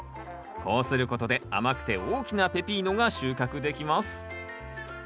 こうすることで甘くて大きなペピーノが収穫できます。